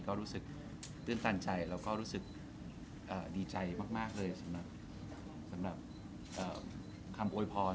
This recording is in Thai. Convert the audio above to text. ก็รู้สึกตื่นตันใจแล้วก็รู้สึกดีใจมากเลยสำหรับคำโวยพร